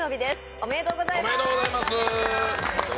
おめでとうございます。